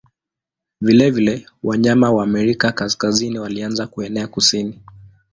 Vilevile wanyama wa Amerika Kaskazini walianza kuenea kusini.